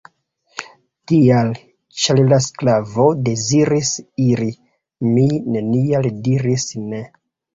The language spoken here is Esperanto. Tial, ĉar la sklavo deziris iri, mi nenial diris ne.